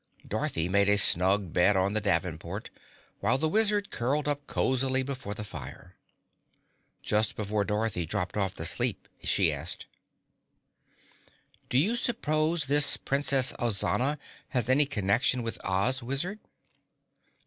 Dorothy made a snug bed on the davenport, while the Wizard curled up cozily before the fire. Just before Dorothy dropped off to sleep she asked, "Do you suppose this Princess Ozana has any connection with Oz, Wizard?"